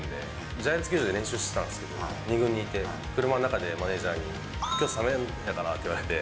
ジャイアンツ球場で練習してたんですけど、２軍にいて、車の中でマネージャーに、きょう、スタメンだからって言われて。